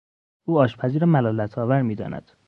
او آشپزی را ملالت آور میداند.